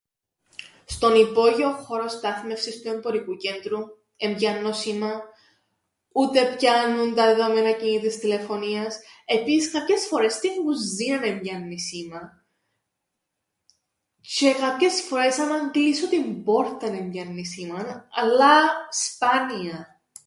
Στον υπόγειον χώρον στάθμευσης του εμπορικού κέντρου εν πιάννω σήμαν, ούτε πιάννουν τα δεδομένα κινητής τηλεφωνίας, επίσης κάποιες φορές στην κουζίναν εν πιάννει σήμαν, τζ̌αι κάποιες φορές άμαν κλείσω την πόρταν εν πιάννει σήμαν, αλλά σπάνια.